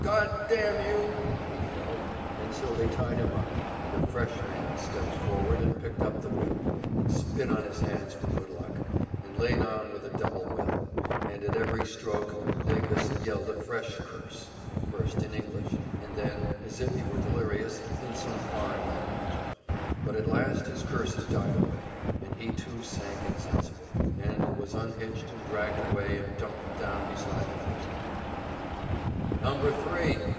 "God damn you!" he yelled; and so they tied him up, and a fresh man stepped forward and picked up the whip, and spit on his hands for good luck, and laid on with a double will; and at every stroke Glikas yelled a fresh curse; first in English, and then, as if he were delirious, in some foreign language. But at last his curses died away, and he too sank insensible, and was unhitched and dragged away and dumped down beside the first man. "Number three!"